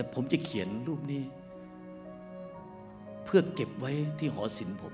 ผมจะเขียนรูปนี้เพื่อเก็บไว้ที่หอสินผม